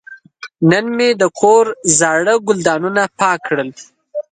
نن مې د کور زاړه ګلدانونه پاک کړل.